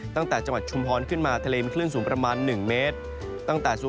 ตั้งแต่จังหวัดชุมพรขึ้นมา